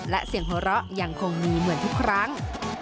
และเสียงหัวเราะยังคงมีเหมือนทุกครั้ง